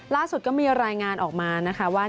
ล่าสุดก็มีรายงานออกมานะคะว่า